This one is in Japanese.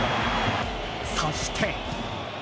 そして。